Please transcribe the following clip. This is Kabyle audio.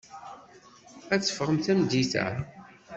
Ad teffɣem tameddit-a.